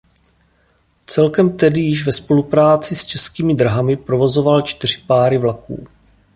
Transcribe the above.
Celkem tedy již ve spolupráci s Českými drahami provozoval čtyři páry vlaků.